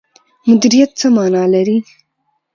مدیریت څه مانا لري؟